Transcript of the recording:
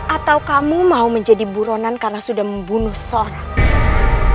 atau kamu mau menjadi buronan karena sudah membunuh seorang